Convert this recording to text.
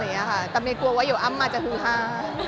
เดี๋ยวโรงเรียนจะมือห้า